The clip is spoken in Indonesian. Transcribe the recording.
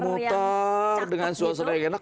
mutar dengan suasana yang enak